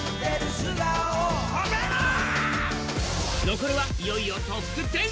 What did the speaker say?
残るはいよいよトップ１０。